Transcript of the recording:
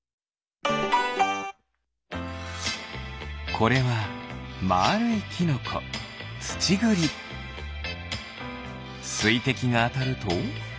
これはまあるいキノコすいてきがあたると？